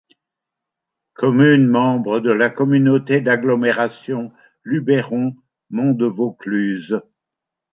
Commune membre de la Communauté d'agglomération Luberon Monts de Vaucluse.